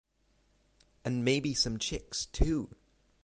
And maybe some chicks too!!